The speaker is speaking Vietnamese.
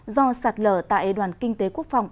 do sạt lở tại đoàn kinh tế quốc phòng ba trăm ba mươi bảy